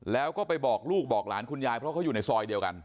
แล้วก็ไปบอกลูกบอกหลานคุณยายเพราะเขาอยู่ในซอยเดียวกัน